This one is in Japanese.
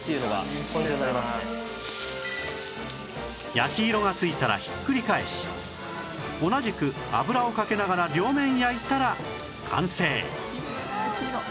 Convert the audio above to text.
焼き色がついたらひっくり返し同じく脂をかけながら両面焼いたら完成